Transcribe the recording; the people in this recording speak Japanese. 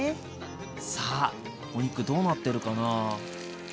さあお肉どうなってるかな？